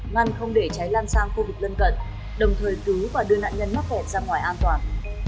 ngăn không để cháy lan sang khu vực lân cận đồng thời cứu và đưa nạn nhân mắc kẹt ra ngoài an toàn